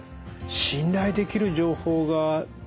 信頼できる情報が１０％